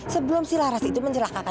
sebelum si laras itu mencelakakan